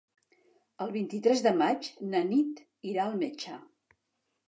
El vint-i-tres de maig na Nit irà al metge.